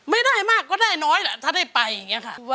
ไม่ได้มากก็ได้น้อยแหละถ้าได้ไปอย่างนี้ค่ะ